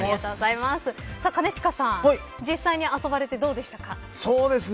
兼近さん実際に遊ばれてどうでしたか。